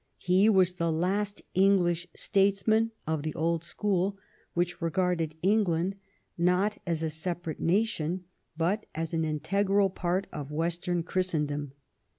He was the last English statesman of the old school, which regarded England not as a separate nation, but as an integral part of Western Christendom.